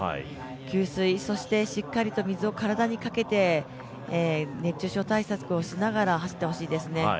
給水、そしてしっかり水を体にかけて熱中症対策をしながら走ってほしいですね。